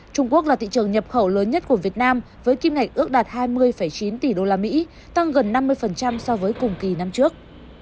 trung quốc là thị trường nhập khẩu lớn nhất của việt nam với kim ngạch ước đạt hai mươi chín tỷ usd tăng gần năm mươi so với cùng kỳ năm trước